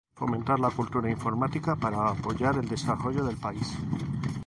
Fomentar la cultura informática para apoyar el desarrollo del país.